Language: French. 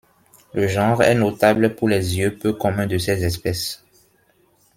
Le genre est notable pour les yeux peu communs de ses espèces.